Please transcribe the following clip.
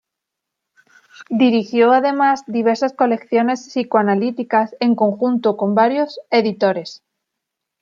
Dirigió además diversas colecciones psicoanalíticas en conjunto con varios editores.